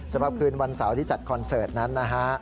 สำหรับคืนวันเสาร์ที่จัดคอนเสิร์ตนั้นนะฮะ